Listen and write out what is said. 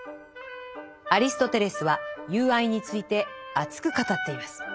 アリストテレスは「友愛」について熱く語っています。